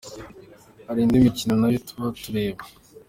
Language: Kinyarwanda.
Hari indi mikino nayo tuba tureba.